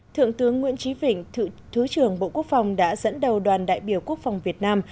thượng tướng nguyễn trí vịnh thứ trưởng bộ quốc phòng đã dẫn đầu đoàn đại biểu quốc phòng việt nam